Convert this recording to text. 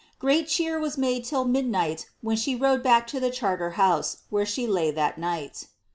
Great cheer was made till mid night, when she rode back to the Charter house, where she lay that night.